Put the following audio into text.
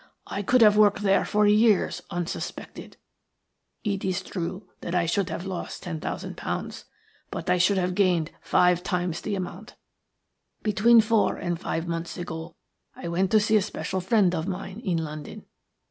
I could have worked there for years unsuspected. It is true that I should have lost ten thousand pounds, but I should have gained five times the amount. Between four and five months ago I went to see a special friend of mine in London.